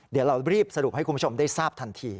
เดี๋ยวเรารีบสรุปให้คุณผู้ชมได้ทราบทันที